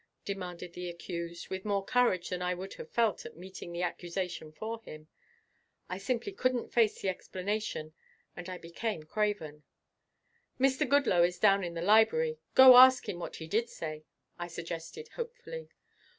demanded the accused, with more courage than I would have felt at meeting the accusation for him. I simply couldn't face the explanation and I became craven. "Mr. Goodloe is down in the library. Go ask him what he did say," I suggested hopefully.